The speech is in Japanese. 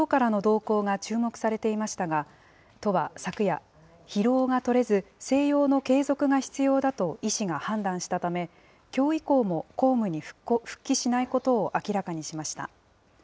週明けのきょうからの動向が動向が注目されていましたが、都は昨夜、疲労がとれず静養の継続が必要だと医師が判断したため、きょう以降も公務に復帰しないことを明らかにしました。